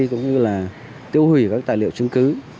cũng như là tiêu hủy các tài liệu chứng cứ